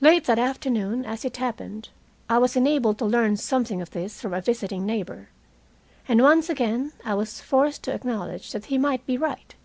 Late that afternoon, as it happened, I was enabled to learn something of this from a visiting neighbor, and once again I was forced to acknowledge that he might be right.